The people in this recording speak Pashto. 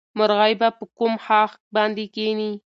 مرغۍ به په کوم ښاخ باندې کېني؟